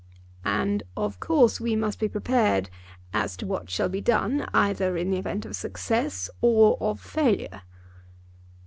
"And of course we must be prepared as to what shall be done either in the event of success or of failure."